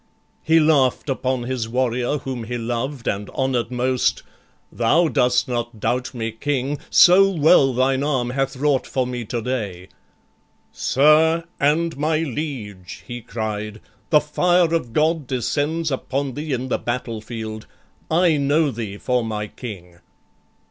He laugh'd upon his warrior whom he loved And honor'd most. "Thou dost not doubt me King, So well thine arm hath wrought for me today." "Sir and my liege," he cried, "the fire of God Descends upon thee in the battle field: I know thee for my King!"